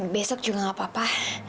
besok juga gak apa apa